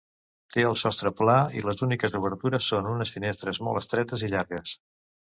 Té el sostre pla i les úniques obertures són unes finestres molt estretes i llargues.